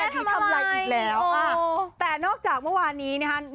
แต่นอกจากเมื่อวานนี้เนี่ยเนี่ยค่ะ